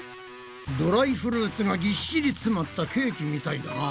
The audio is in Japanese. ドライフルーツがぎっしり詰まったケーキみたいだな。